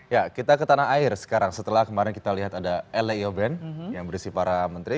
ya kita ke tanah air sekarang setelah kemarin kita lihat ada lao band yang berisi para menteri